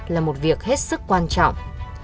là một việc hết sức quan trọng